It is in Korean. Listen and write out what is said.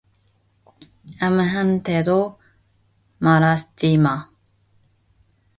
아무한테도 말하지 마.